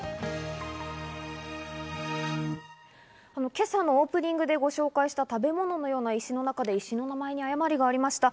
今朝のオープニングでご紹介した食べ物のような石の中で石の名前に誤りがありました。